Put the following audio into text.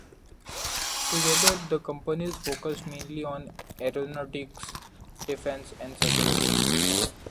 Together the companies focus mainly on aeronautics, defense and Security.